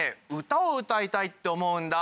歌を歌いたいって思うんだ。